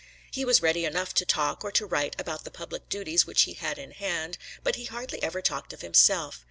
He was ready enough to talk or to write about the public duties which he had in hand, but he hardly ever talked of himself.